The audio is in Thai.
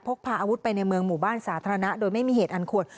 กพาอาวุธไปในเมืองหมู่บ้านสาธารณะโดยไม่มีเหตุอันควร